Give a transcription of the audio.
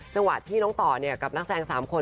จังหวะที่น้องต่อกับนักแสดง๓คน